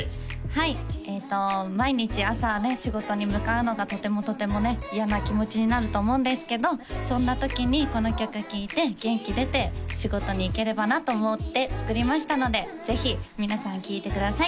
はい毎日朝ね仕事に向かうのがとてもとてもね嫌な気持ちになると思うんですけどそんな時にこの曲聴いて元気出て仕事に行ければなと思って作りましたのでぜひ皆さん聴いてください